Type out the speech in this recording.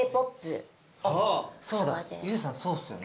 そうだＹＯＵさんそうっすよね。